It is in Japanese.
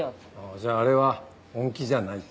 じゃああれは本気じゃないと？